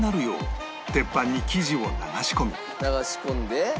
流し込んで。